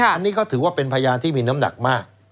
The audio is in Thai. อันนี้ก็ถือว่าเป็นพยานที่มีน้ำหนักมาก